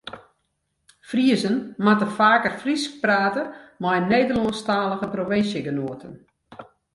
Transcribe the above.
Friezen moatte faker Frysk prate mei Nederlânsktalige provinsjegenoaten.